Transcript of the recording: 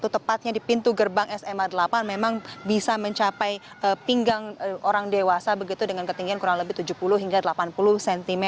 tepatnya di pintu gerbang sma delapan memang bisa mencapai pinggang orang dewasa begitu dengan ketinggian kurang lebih tujuh puluh hingga delapan puluh cm